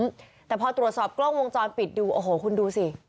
แต่พอตรวจสอบกล้องวงจรปิดดูโอ้โหคุณดูสิ